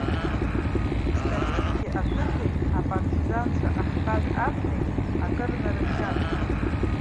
Старинки ақыҭеи апартизанцәа ахьтәаз абнеи акыр нарыбжьан.